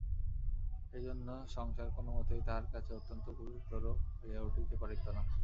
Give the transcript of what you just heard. এইজন্য সংসার কোনোমতেই তাঁহার কাছে অত্যন্ত গুরুতর হইয়া উঠিতে পারিত না।